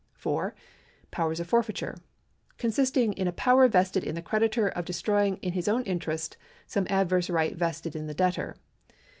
4. Powers of forfeiture — consisting in a power vested in the creditor of destroying in his own interest some adverse right vested in the debtor.